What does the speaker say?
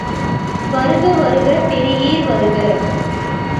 வருக வருக பெரியீர் வருக!.